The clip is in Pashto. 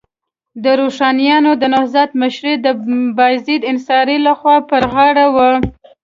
د روښانیانو د نهضت مشري د بایزید انصاري لخوا پر غاړه وه.